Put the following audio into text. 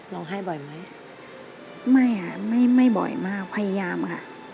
ให้บ่อยไหมไม่ค่ะไม่ไม่บ่อยมากพยายามค่ะ